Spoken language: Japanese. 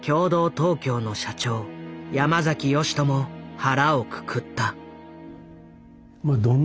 東京の社長山崎芳人も腹をくくった。